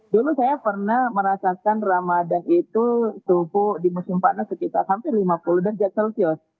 dulu saya pernah merasakan ramadan itu suhu di musim panas sekitar hampir lima puluh derajat celcius